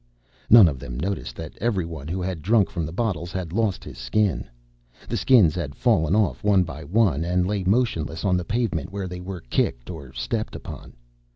None of them noticed that every one who had drunk from the bottles had lost his Skin. The Skins had fallen off one by one and lay motionless on the pavement where they were kicked or stepped upon.